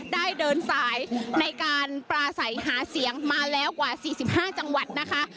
ได้เดินสายในการปราศัยหาเสียงมาแล้วกว่า๔๕จังหวัดนะคะ